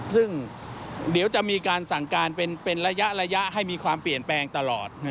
ซึ่งเดี๋ยวจะมีการสั่งการเป็นระยะให้มีความเปลี่ยนแปลงตลอด